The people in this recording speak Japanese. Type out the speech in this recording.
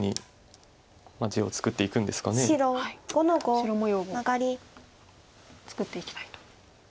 白模様を作っていきたいと。